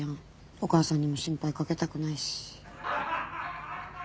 お母さんにも心配かけたくないし。